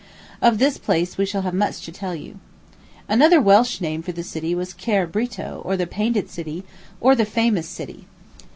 Of this place we shall have much to tell you. Another Welsh name for the city was Caër Brito, or the painted city, or the famous city.